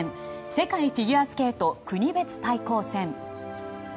世界フィギュアスケート国別対抗戦。